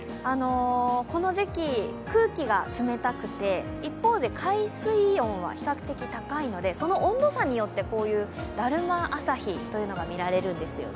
この時期、空気が冷たくて一方で海水温は比較的高いのでその温度差によって、だるま朝日が見られるんですよね。